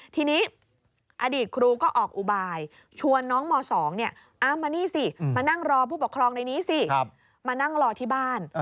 ทีนี้อดีตครูก็ออกอุบายชวนน้องม๒มานี่สิมานั่งรอผู้ปกครองในนี้สิมานั่งรอที่บ้าน